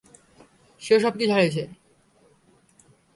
সে-ও সবকিছু হারিয়েছে।